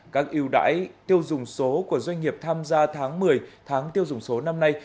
các yêu đãi tiêu dùng số của doanh nghiệp tham gia tháng một mươi tháng tiêu dùng số năm nay